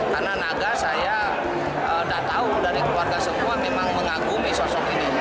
karena naga saya tak tahu dari keluarga semua memang mengagumi sosok ini